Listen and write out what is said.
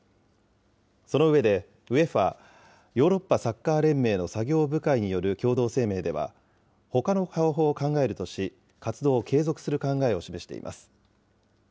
その上で、ＵＥＦＡ・ヨーロッパサッカー連盟の作業部会による共同声明では、ほかの方法を考えるとし、活動を継続する考えを示しています。